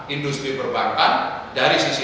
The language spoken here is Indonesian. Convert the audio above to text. industri perbankan dari sisi